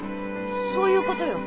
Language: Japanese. そういうことよ。